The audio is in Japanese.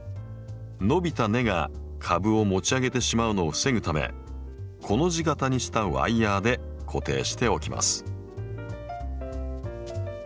伸びた根が株を持ち上げてしまうのを防ぐためコの字形にしたワイヤーで固定しておきます。